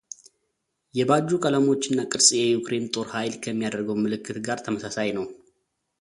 የባጁ ቀለሞች እና ቅርጽ የዩክሬን ጦር ኃይል ከሚያደርገው ምልክት ጋር ተመሳሳይ ነው።